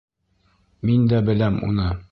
Мин дә беләм уны.